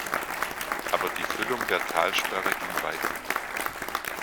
Aber die Füllung der Talsperre ging weiter.